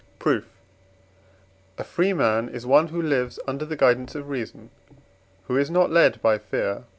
Proof. A free man is one who lives under the guidance of reason, who is not led by fear (IV.